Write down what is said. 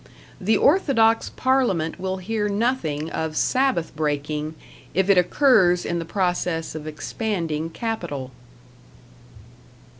The orthodox Parliament will hear nothing of Sabbath breaking if it occurs in the process of expanding capital.